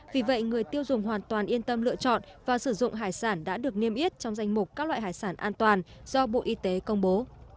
vì vậy người tiêu dùng hoàn toàn yên tâm lựa chọn và sử dụng hải sản đã được niêm yết trong danh mục các loại hải sản an toàn do bộ y tế công bố